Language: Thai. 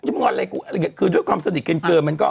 ไม่งอนอะไรคือด้วยความสนิทเกินเกินมันก็